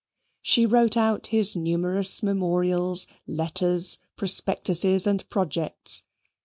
She wrote out his numerous memorials, letters, prospectuses, and projects.